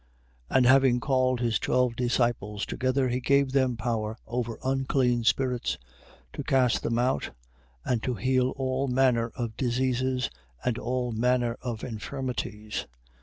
10:1. And having called his twelve disciples together, he gave them power over unclean spirits, to cast them out, and to heal all manner of diseases, and all manner of infirmities.